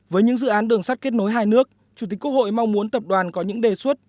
với những dự án đường sắt kết nối hai nước chủ tịch quốc hội mong muốn tập đoàn có những đề xuất